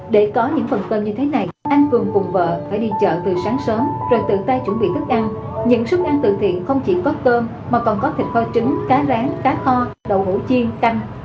để có những phần cơm như thế này anh cường cùng vợ phải đi chợ từ sáng sớm rồi tự tay chuẩn bị thức ăn những sức ăn từ thiện không chỉ có cơm mà còn có thịt kho trứng cá rán cá kho đậu hủ chiên canh